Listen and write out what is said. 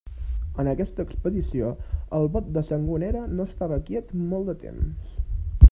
En aquesta expedició, el bot de Sangonera no estava quiet molt de temps.